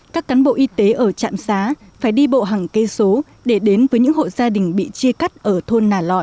các cán bộ y tế ở trạm xá phải đi bộ hàng cây số để đến với những hộ gia đình bị chia cắt ở thôn nà lọi